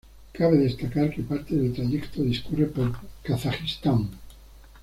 Cabe destacar que parte del trayecto discurre por Kazajistán.